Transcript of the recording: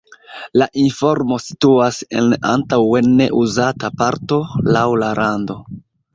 La informo situas en antaŭe ne-uzata parto laŭ la rando.